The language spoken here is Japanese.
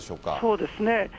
そうですね。